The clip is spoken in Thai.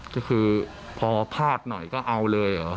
ก็คือพอพลาดหน่อยก็เอาเลยเหรอ